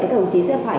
các đồng chí sẽ phải